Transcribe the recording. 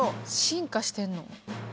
進化してんの？